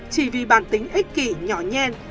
chỉ vì bản tính ích kỷ nhỏ nhen